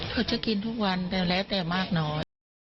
เขาจะกินทุกวันแต่แล้วแต่มากน้อย